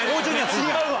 違うわ！